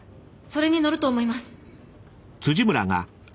それに乗ると思います。